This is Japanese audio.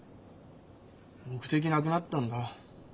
目的なくなったんだ。